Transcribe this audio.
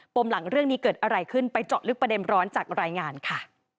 มหลังเรื่องนี้เกิดอะไรขึ้นไปเจาะลึกประเด็นร้อนจากรายงานค่ะ